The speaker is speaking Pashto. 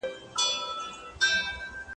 اباد به کړو له سره خپل کورونه پراټک